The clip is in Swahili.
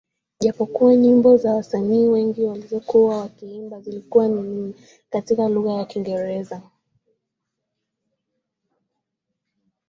Japokuwa nyimbo za wasanii wengi walizokuwa wakiimba zilikuwa ni katika lugha ya Kiingereza